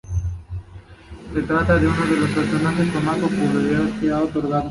Se trata de uno de los personajes que más popularidad le ha otorgado.